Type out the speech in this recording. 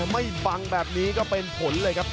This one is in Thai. ไม่บังแบบนี้ก็เป็นผลเลยครับ